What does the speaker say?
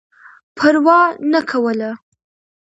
پروا نه کوله.